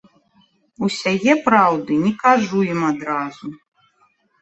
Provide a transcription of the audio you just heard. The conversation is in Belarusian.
Усяе праўды не кажу ім адразу.